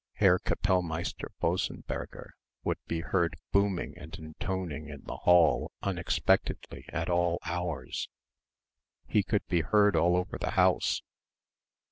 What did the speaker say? Herr Kapellmeister Bossenberger would be heard booming and intoning in the hall unexpectedly at all hours. He could be heard all over the house.